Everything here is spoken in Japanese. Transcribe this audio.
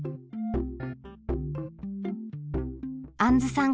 あんずさん